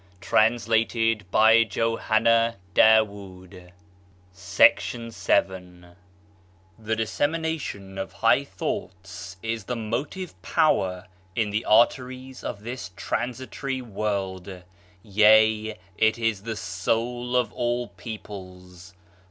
123 Digitized by Google MYSTERIOUS FORCES The dissemination of high thoughts is the motive power in the arteries of this transitory world; yea, it is the soul of all peoples.